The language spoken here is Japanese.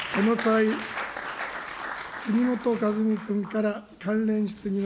杉本和巳君から関連質疑の。